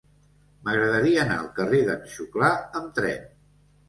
M'agradaria anar al carrer d'en Xuclà amb tren.